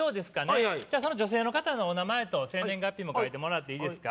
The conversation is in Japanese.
はいはいはいじゃその女性の方のお名前と生年月日も書いてもらっていいですか？